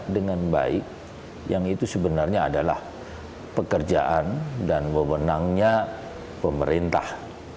dengan baik yang itu sebenarnya adalah pekerjaan dan wewenangnya pemerintah